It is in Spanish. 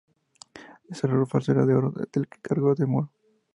Ese reloj falso era de oro del que cagó el moro